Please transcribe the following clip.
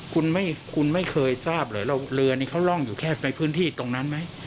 คุณไม่เคยทราบเลยว่าเรือนี้เขาร่องอยู่แค่ในพื้นที่ตรงนั้นไหม